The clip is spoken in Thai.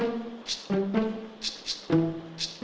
อ้าปาก